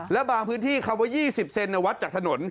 แล้วบางพื้นที่คำว่า๒๐เซนวัดจากถนน